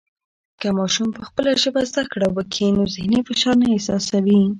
که ماشوم په خپله ژبه زده کړه و کي نو ذهني فشار نه احساسوي.